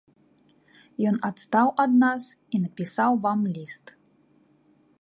Ён адстаў ад нас і напісаў вам ліст.